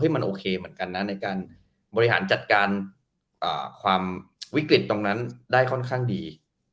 มันโอเคเหมือนกันนะในการบริหารจัดการความวิกฤตตรงนั้นได้ค่อนข้างดี